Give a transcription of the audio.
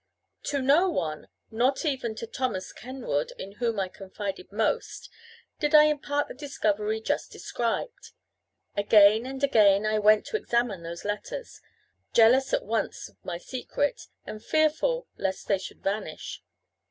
To no one, not even to Thomas Kenwood (in whom I confided most), did I impart the discovery just described. Again and again I went to examine those letters, jealous at once of my secret, and fearful lest they should vanish.